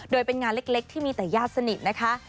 โดยเป็นงานเล็กที่มีแต่ญาติสนิทนะคะ